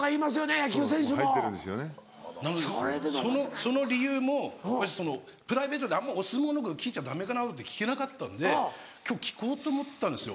その理由もプライベートであんまお相撲のこと聞いちゃダメかなと思って聞けなかったんで今日聞こうと思ったんですよ。